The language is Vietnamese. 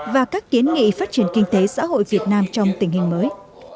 và các kiến nghị phát triển kinh tế xã hội việt nam trong tình hình mới